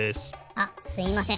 あすいません。